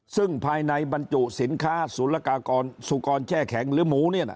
ซึ่งภายในบรรจุสินค้าศูนย์ละกากรสุกรแช่แข็งหรือหมูเนี่ยนะ